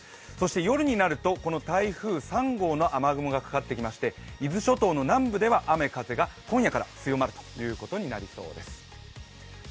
夜になるとこの台風３号の雨雲がかかってきまして、伊豆諸島の南部では雨風が今夜から強まるということになりそうです。